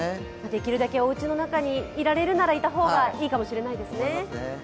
できるだけおうちの中にいられるなら、いた方がいいかもしれませんね。